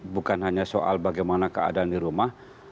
bukan hanya soal bagaimana keadaan di rumah